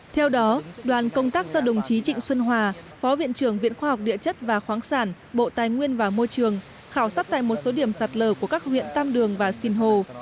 theo đó đoàn công tác do đồng chí trịnh xuân hòa phó viện trưởng viện khoa học địa chất và khoáng sản bộ tài nguyên và môi trường khảo sát tại một số điểm sạt lở của các huyện tam đường và sinh hồ